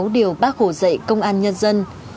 sáu điều bác hồ dạy công an nhân dân